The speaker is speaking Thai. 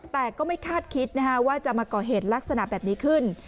แต่ก็ไม่คาดคิดว่าจะมาก่อเหตุลักษณะแบบนี้ขึ้น